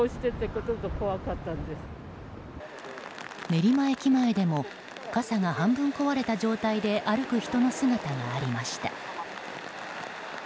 練馬駅前でも傘が半分壊れた状態で歩く人の姿がありました。